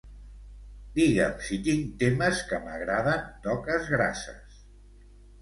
Digue'm si tinc temes que m'agraden d'Oques Grasses.